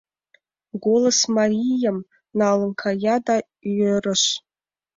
«Голос марийым» налын кая, да йӧрыш.